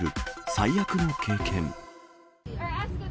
最悪の経験。